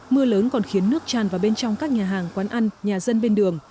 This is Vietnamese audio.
mưa lớn còn khiến nước tràn vào bên trong các nhà hàng quán ăn nhà dân bên đường